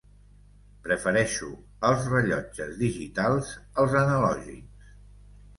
Prefereixo els rellotges digitals als analògics.